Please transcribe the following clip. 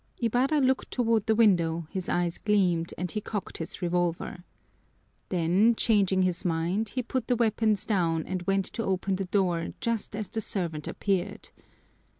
Ibarra looked toward the window, his eyes gleamed, and he cocked his revolver. Then changing his mind, he put the weapons down and went to open the door just as the servant appeared.